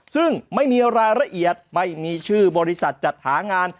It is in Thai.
ซึ่งไม่มีรายละเอียดไม่มีชื่อบริษัทจัดหางาน